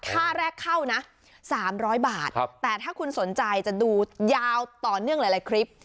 ค่าแรกเข้านะ๓๐๐บาทแต่ถ้าคุณสนใจจะดูยาวต่อเนื่องหลายคลิป